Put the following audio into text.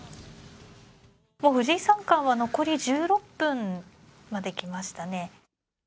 藤井三冠は残り１６分まできましたね。